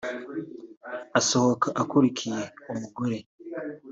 asohoka akurikiye umugore